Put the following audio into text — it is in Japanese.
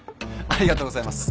ありがとうございます。